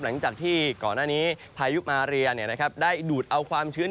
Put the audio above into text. หลังจากที่ก่อนหน้านี้พายุมาเรียได้ดูดเอาความชื้น